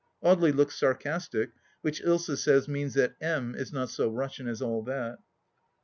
Audely looks sarcastic, which Ilsa says means that M is not so Russian as all that.